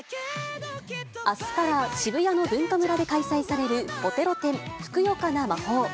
あすから渋谷のＢｕｎｋａｍｕｒａで開催される、ボテロ展ふくよかな魔法。